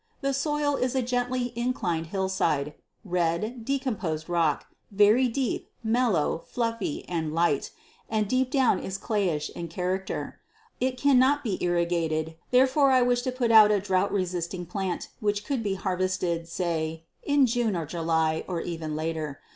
The soil is on a gently inclined hillside red, decomposed rock, very deep, mellow, fluffy, and light, and deep down is clayish in character. It cannot be irrigated, therefore I wish to put out a drought resisting plant which could be harvested, say, in June or July, or even later.